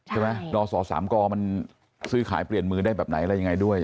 ใช่ไหมนศ๓กมันซื้อขายเปลี่ยนมือได้แบบไหนอะไรยังไงด้วย